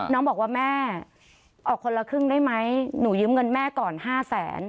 น้องบอกว่าแม่ออกคนละครึ่งได้ไหมหนูยืมเงินแม่ก่อน๕แสน